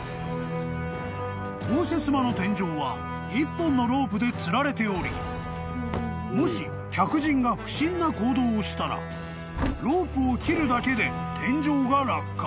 ［応接間の天井は１本のロープでつられておりもし客人が不審な行動をしたらロープを切るだけで天井が落下］